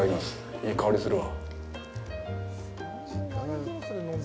いい香りがするわ。